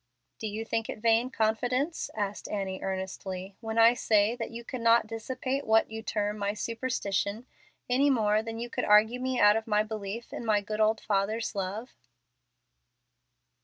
"Do you think it vain confidence," said Annie, earnestly, "when I say that you could not dissipate what you term my 'superstition,' any more than you could argue me out of my belief in my good old father's love?"